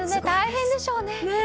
大変でしょうね。